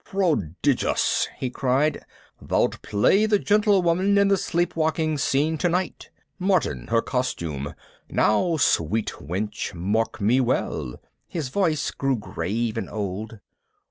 "Prodigious!" he cried. "Thou'lt play the Gentlewoman in the Sleepwalking Scene tonight. Martin, her costume! Now sweet wench, mark me well." His voice grew grave and old.